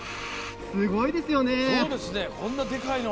すごいですよね。